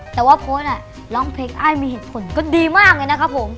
แต่ว่าโพสต์ร้องเพลงอ้ายมีเหตุผลก็ดีมากเลยนะครับผม